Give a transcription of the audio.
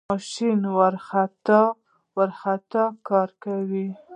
ماشین ورخطا ورخطا کار کاوه.